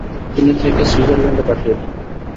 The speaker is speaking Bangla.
তিনি তাকে সুইজারল্যান্ডে পাঠিয়ে দেন।